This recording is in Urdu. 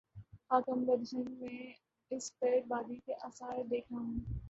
خاکم بدہن، میں اس بر بادی کے آثار دیکھ رہا ہوں۔